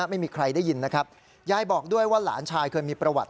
ไม่มีใครได้ยินนะครับยายบอกด้วยว่าหลานชายเคยมีประวัติ